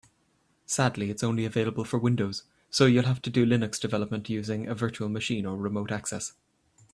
Sadly, it's only available for Windows, so you'll have to do Linux development using a virtual machine or remote access.